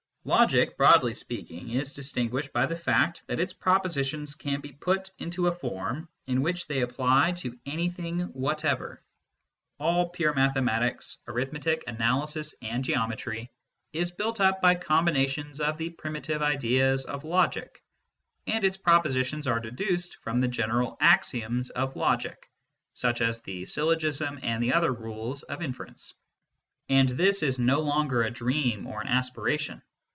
Logic, broadly speaking, is distinguished by the fact that its propositions can be put into a form in which they apply to anything whatever. All pure mathematics Arithmetic, Analysis, 76 MYSTICISM AND LOGIC and Geometry is built up by combinations of the primi tive ideas of logic, and its propositions are deduced from the general axioms of logic, such as the syllogism and the other rules of inference. And this is no longer a dream or an aspiration.